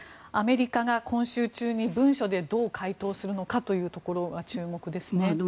アメリカが今週中に文書でどう回答するのかというところが注目ですね。